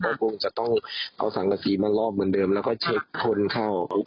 ก็คงจะต้องเอาสังกษีมารอบเหมือนเดิมแล้วก็เช็คคนเข้า